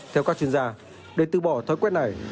theo các chuyên gia để từ bỏ thói quen này